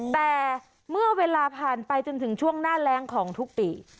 แต่เมื่อเวลาผ่านไปจนถึงช่วงหน้าแรงของทุกปี